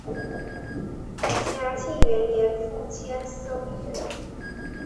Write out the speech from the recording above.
嘉庆元年赴千叟宴。